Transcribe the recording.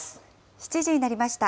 ７時になりました。